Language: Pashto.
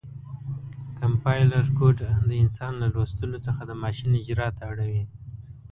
کمپایلر کوډ د انسان له لوستلو څخه د ماشین اجرا ته اړوي.